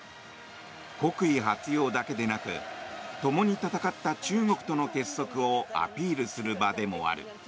国威発揚だけでなくともに戦った中国との結束をアピールする場でもある。